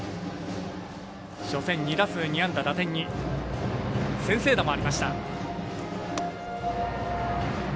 初戦２打数２安打打点２、先制打もありました。